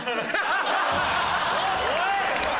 おい！